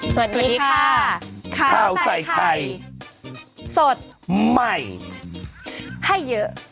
สวัสดีค่ะข้าวใส่ไข่สดใหม่ให้เยอะ